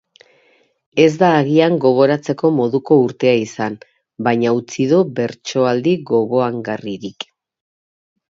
Ez da agian gogoratzeko moduko urtea izan, baina utzi du bertsoaldi gogoangarririk.